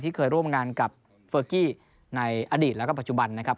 เคยร่วมงานกับเฟอร์กี้ในอดีตแล้วก็ปัจจุบันนะครับ